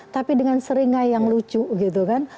tapi dengan seringai yang lucu gitu kan